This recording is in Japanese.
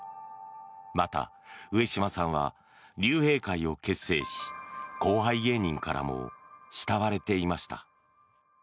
また、上島さんは竜兵会を結成し後輩芸人からも慕われていました。